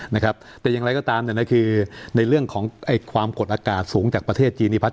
เป็นอย่างไรก็ตามคือในเรื่องของความกดอากาศสูงจากประเทศจีน